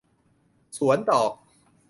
สวนดอก